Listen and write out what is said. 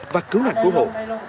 và cứu nạc của hộ